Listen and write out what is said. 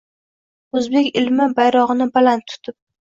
O‘zbek ilmi bayrog‘ini baland tutib